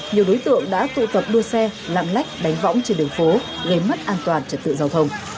nhiều đối tượng đã tụ tập đua xe lạng lách đánh võng trên đường phố gây mất an toàn trật tự giao thông